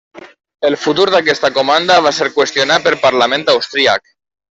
El futur d'aquesta comanda va ser qüestionat pel Parlament austríac.